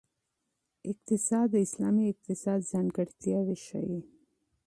اقتصاد د اسلامي اقتصاد ځانګړتیاوې ښيي.